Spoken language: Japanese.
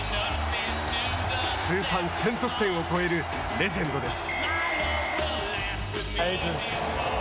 通算１０００得点を超えるレジェンドです。